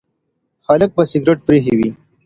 خلک به سګریټ پرېښی وي.